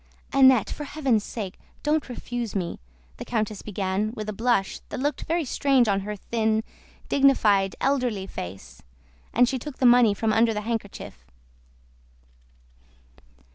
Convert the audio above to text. "Annette, for heaven's sake don't refuse me," the countess began, with a blush that looked very strange on her thin, dignified, elderly face, and she took the money from under the handkerchief.